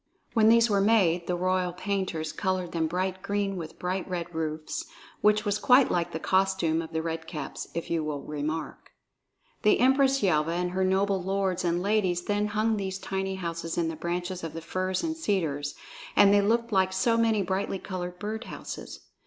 When these were made, the royal painters colored them bright green with bright red roofs, which was quite like the costume of the Red Caps, if you will remark. The Empress Yelva and her noble lords and ladies then hung these tiny houses in the branches of the firs and cedars, and they looked like so many brightly colored bird houses.